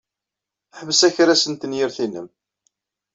Ḥbes akras n tenyirt-nnem!